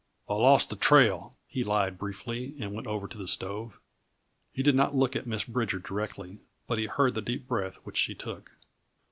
"I lost the trail," he lied briefly and went over to the stove. He did not look at Miss Bridger directly, but he heard the deep breath which she took.